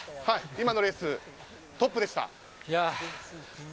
今のレース、トップでした。